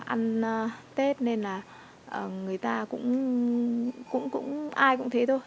ăn tết nên là người ta cũng ai cũng thế thôi